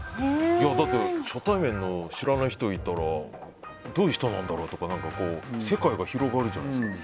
だって初対面の知らない人いたらどういう人なんだろうとか世界が広がるじゃないですか。